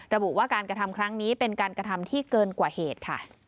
ระบุว่าการกระทำครั้งนี้เป็นการกระทำที่เกินกว่าเหตุค่ะ